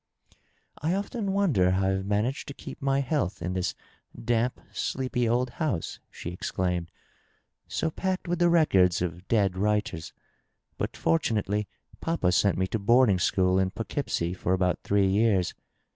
" I often wonder how IVe managed to keep my health in this damp, sleepy old house," she exclaimed, " so packed with the records of dead writers. But fortunately papa sent me to boarding school in Pough keepsie for about three years.